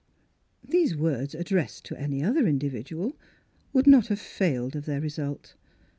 These words addressed to any other in dividual would not have failed of their result.